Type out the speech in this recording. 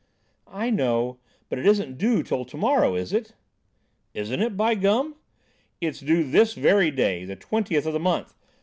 "I know. But it isn't due till to morrow, is it?" "Isn't it, by gum! It's due this very day, the twentieth of the month.